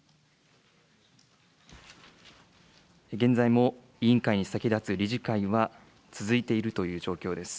現在も委員会に先立つ理事会は続いているという状況です。